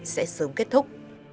sẽ sớm kết thúc